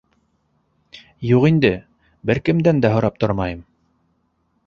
Юҡ инде, бер кемдән дә һорап тормайым!